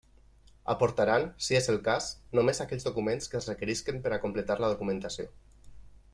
Aportaran, si és el cas, només aquells documents que es requerisquen per a completar la documentació.